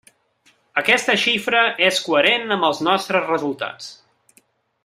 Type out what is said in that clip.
Aquesta xifra és coherent amb els nostres resultats.